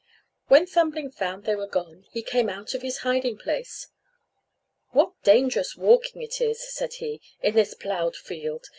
When Thumbling found they were gone, he came out of his hiding place. "What dangerous walking it is," said he, "in this ploughed field!